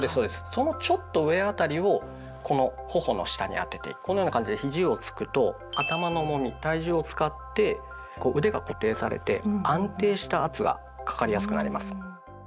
そのちょっと上辺りをこの頬の下に当ててこのような感じでひじをつくと頭の重み体重を使って腕が固定されて安定した圧がかかりやすくなります。